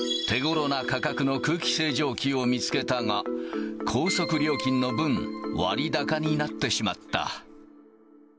手頃な価格の空気清浄機を見つけたが、高速料金の分、割高になってしまった。